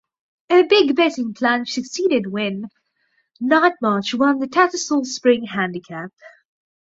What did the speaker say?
A big betting plunge succeeded then when Nightmarch won the Tattersall's Spring Handicap.